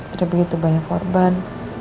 ada begitu banyak korban